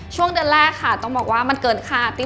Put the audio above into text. ช่วงเดือนแรกค่ะต้องบอกว่ามันเกินคาติ